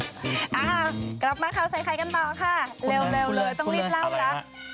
กลับมาข่าวใส่ไข่กันต่อค่ะเร็วเลยต้องรีบเล่าแล้ว